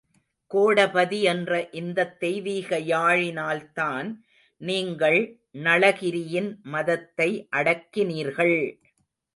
கோடபதி என்ற இந்தத் தெய்வீக யாழினால்தான் நீங்கள் நளகிரியின் மதத்தை அடக்கினீர்கள்!